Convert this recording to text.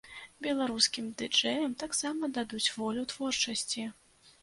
Беларускім ды-джэям таксама дадуць волю творчасці.